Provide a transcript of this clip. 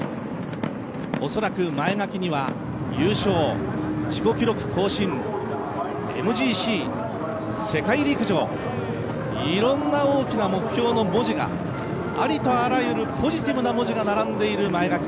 おそらく前書きには優勝、自己記録更新、ＭＧＣ、世界陸上、いろんな大きな目標の文字が、ありとあらゆるポジティブな文字が書いてある前書き。